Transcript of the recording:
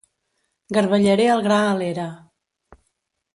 Garbellaré el gra a l'era.